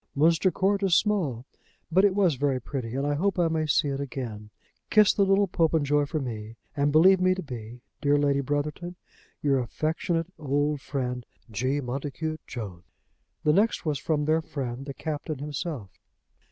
Munster Court is small; but it was very pretty, and I hope I may see it again. "Kiss the little Popenjoy for me, and believe me to be, "Dear Lady Brotherton, "Your affectionate old friend, "G. MONTACUTE JONES." The next was from their friend the Captain himself.